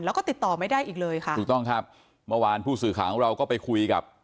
แล้วก็ติดต่อไม่ได้อีกเลยค่ะถูกต้องครับเมื่อวานผู้สื่อข่าวของเราก็ไปคุยกับ